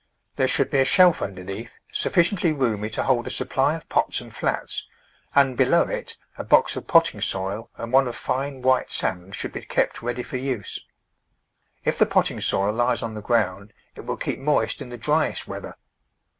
There should be a shelf under neath, sufficiently roomy to hold a supply of pots and flats, and, below it, a box of potting soil and one of fine white sand should be kept ready for use. If the potting soil lies on the ground it will keep moist in the dryest weather.